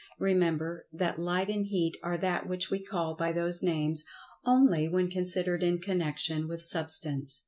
Remember, that Light and Heat are that which we call by those names only when considered in connection with Substance.